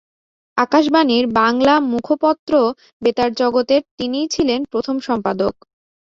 আকাশবাণীর বাংলা মুখপত্র বেতারজগৎ-এর তিনিই ছিলেন প্রথম সম্পাদক।